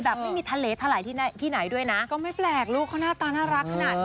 แบบไม่มีทะเลเท่าไหร่ที่ไหนด้วยนะก็ไม่แปลกลูกเขาหน้าตาน่ารักขนาดนี้